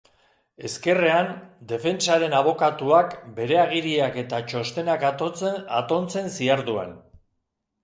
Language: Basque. Ezkerrean, defentsaren abokatuak bere agiriak eta txostenak atontzen ziharduen.